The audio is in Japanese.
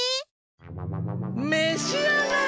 めしあがれ！